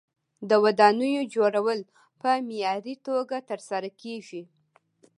د ودانیو جوړول په معیاري توګه ترسره کیږي.